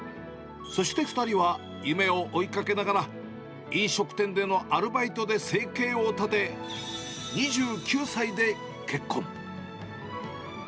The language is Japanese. そして２人は夢を追いかけながら、飲食店でのアルバイトで生計を立て、２９歳で結婚。